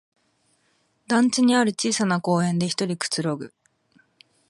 団地にある小さな公園でひとりくつろぐ